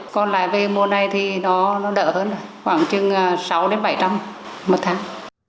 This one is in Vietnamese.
còn về mô này thì nó đỡ hơn khoảng chừng sáu đến bảy trăm linh một tháng